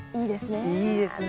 いいですね。